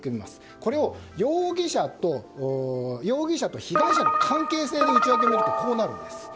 これを容疑者と被害者の関係性の内訳をみるとこうです。